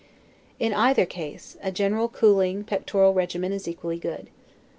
In either case, a cooling, pectoral regimen is equally good.